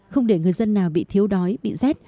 không để người dân nào bị thiếu đói bị rét